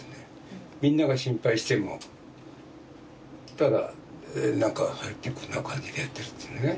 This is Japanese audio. みんなが心配しても「はい」ってこんな感じでやってるっつうんでね。